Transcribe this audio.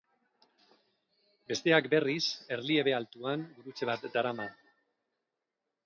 Besteak berriz, erliebe altuan gurutze bat darama.